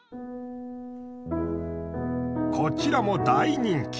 こちらも大人気。